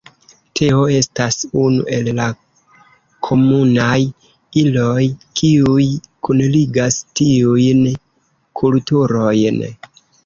Teo estas unu el la komunaj iloj, kiuj kunligas tiujn kulturojn.